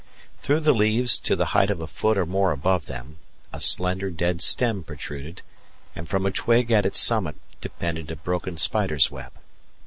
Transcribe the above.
Through the leaves, to the height of a foot or more above them, a slender dead stem protruded, and from a twig at its summit depended a broken spider's web.